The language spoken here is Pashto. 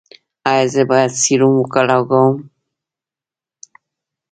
ایا زه باید سیروم ولګوم؟